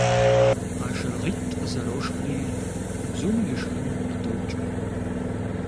КъашыргъитӀ зэрошхри бзум ишхын къыдокӀ.